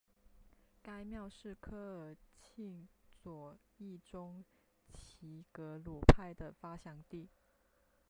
该庙是科尔沁左翼中旗格鲁派的发祥地。